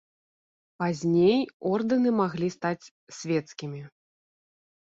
Пазней ордэны маглі стаць свецкімі.